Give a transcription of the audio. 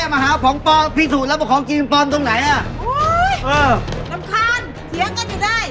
มาหาของปลอมพิสูจน์แล้วว่าของจริงปลอมตรงไหนอ่ะโอ้ยเออรำคาญเสียงกันอยู่ได้